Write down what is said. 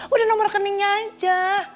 udah nomor rekeningnya aja